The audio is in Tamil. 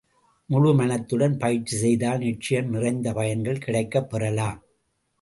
முழு மனதுடன் பயிற்சி செய்தால், நிச்சயம் நிறைந்த பயன்கள் கிடைக்கப் பெறலாம்.